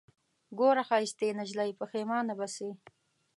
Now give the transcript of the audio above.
ګوره ښايستې نجلۍ پښېمانه به سې